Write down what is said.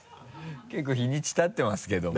結構日にちたってますけども。